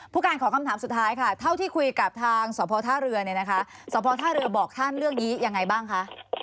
ผู้การขอคำถามสุดท้ายค่ะเท่าที่คุยกับทางสพท่าเรือเนี่ยนะคะสพท่าเรือบอกท่านเรื่องนี้ยังไงบ้างคะ